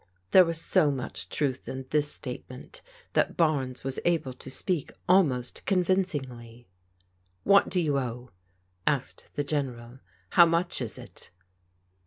There was so much truth in this statement that Barnes was able to speak almost convincingly. "What do you owe?" asked the General. "How much is it?"